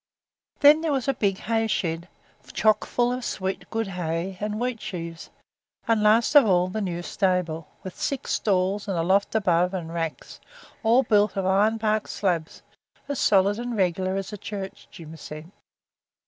Then there was a big hay shed, chock full of good sweet hay and wheat sheaves, and, last of all, the new stable, with six stalls and a loft above, and racks, all built of ironbark slabs, as solid and reg'lar as a church, Jim said.